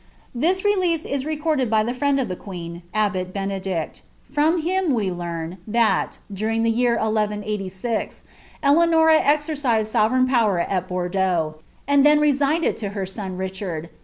Tiiia release b recortJed by (he friend of the queen, abbot Benedict. ; <rji him we learn, that, during the year 1186, Eleanora exercised so ' 11^ power at Bourdeaux, and then resigned it lo her son Richard